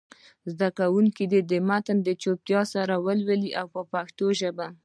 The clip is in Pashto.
زده کوونکي دې متن په چوپتیا سره ولولي په پښتو ژبه.